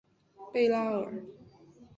贝拉尔。